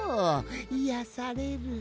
いやされる。